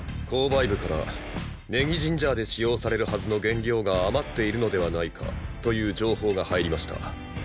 購買部からネギジンジャーで使用されるはずの原料が余っているのではないかという情報が入りました。